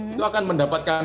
itu akan mendapatkan